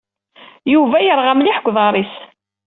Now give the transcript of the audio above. Yuba yerɣa mliḥ deg uḍar-is.